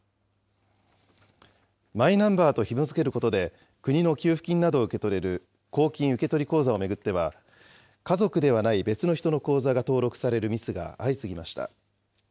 マイナンバーとひも付けることで、国の給付金などを受け取れる公金受取口座を巡っては、家族ではない別の人の口座が登録されるミスが相次ぎました。